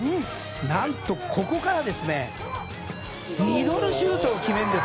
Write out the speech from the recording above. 何とここからミドルシュートを決めるんです。